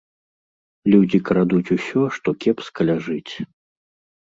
Людзі крадуць усё, што кепска ляжыць.